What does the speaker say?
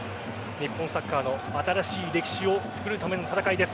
日本サッカーの新しい歴史を作るための戦いです。